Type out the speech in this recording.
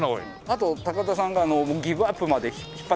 あと高田さんがギブアップまで引っ張ってください。